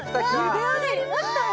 ゆで上がりましたよ。